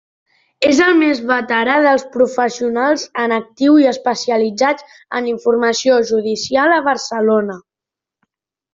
És el més veterà dels professionals en actiu i especialitzats en la informació judicial a Barcelona.